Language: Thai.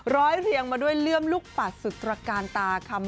เรียงมาด้วยเลื่อมลูกปัดสุตรการตาคำ